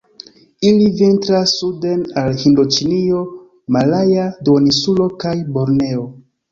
Ili vintras suden al Hindoĉinio, Malaja Duoninsulo kaj Borneo.